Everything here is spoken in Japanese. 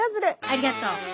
ありがとう。